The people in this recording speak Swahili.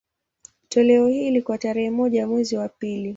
Toleo hili, kwa tarehe moja mwezi wa pili